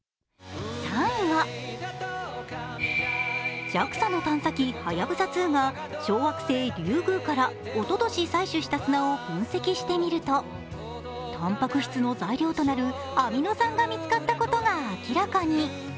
３位は、ＪＡＸＡの探査機「はやぶさ２」が小惑星リュウグウからおととし採取した砂を分析してみるとたんぱく質の材料となるアミノ酸が見つかったことが明らかに。